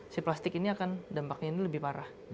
si plastik ini akan dampaknya ini lebih parah